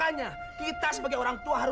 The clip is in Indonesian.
kok bisa jatuh ya